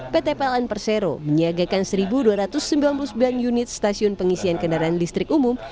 pt pln persero menyiagakan satu dua ratus sembilan puluh sembilan unit stasiun pengisian kendaraan listrik umum